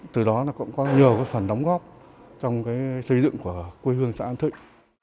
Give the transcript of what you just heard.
từ đó cũng có nhiều phần đóng góp trong xây dựng của quê hương xã an thịnh